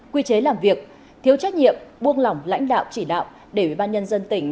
quy chế làm việc thiếu trách nhiệm buông lỏng lãnh đạo chỉ đạo để ủy ban nhân dân tỉnh